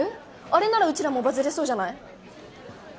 あれならうちらもバズれそうじゃない？